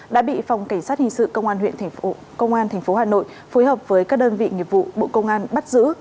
đã bị phòng cảnh sát hình sự công an tp hà nội phối hợp với các đơn vị nghiệp vụ bộ công an bắt giữ